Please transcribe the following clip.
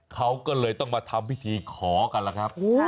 เขาก็เลยต้องมาทำพิธีขอกันล่ะครับ